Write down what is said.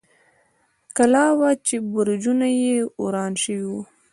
کلا وه، چې برجونه یې وران شوي و.